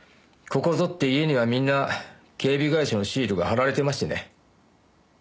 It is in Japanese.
ここぞって家にはみんな警備会社のシールが貼られていましてね。